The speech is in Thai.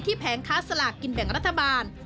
แผงค้าสลากกินแบ่งรัฐบาล